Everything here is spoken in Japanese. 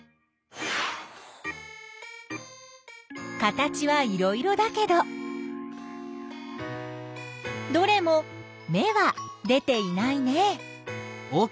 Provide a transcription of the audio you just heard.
形はいろいろだけどどれも芽は出ていないね。